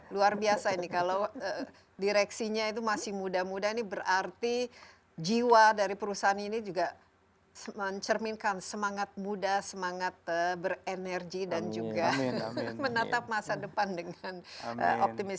luar biasa ini kalau direksinya itu masih muda muda ini berarti jiwa dari perusahaan ini juga mencerminkan semangat muda semangat berenergi dan juga menatap masa depan dengan optimisme